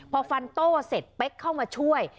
พอฟันโต้เสร็จเป๊กเข้ามาช่วย